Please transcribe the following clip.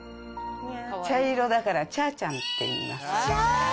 茶色だから、チャーちゃんって言います。